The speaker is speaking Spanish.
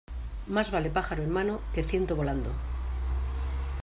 Más vale pájaro en mano que ciento volando.